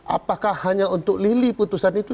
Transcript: apakah hanya untuk lili putusan itu